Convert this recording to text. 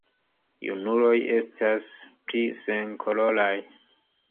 Junuloj estas pli senkoloraj.